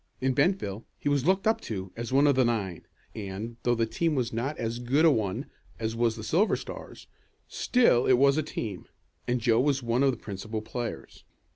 In Bentville he was looked up to as one of the nine, and, though the team was not as good a one as was the Silver Stars, still it was a team, and Joe was one of the principal players.